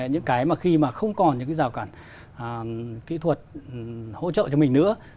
những cái mà khi mà không còn những cái rào cản kỹ thuật hỗ trợ cho mình nữa